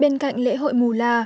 bên cạnh lễ hội mù la